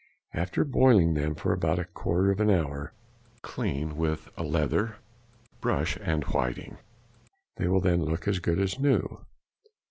After boiling them for about a quarter of an hour, clean with a leather, brush, and whiting. They will then look as good as new.